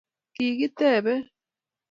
Kikitebe